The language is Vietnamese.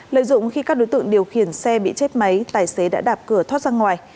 lợi dụng khi các đối tượng điều khiển xe bị chết máy tài xế đã đạp cửa thoát ra ngoài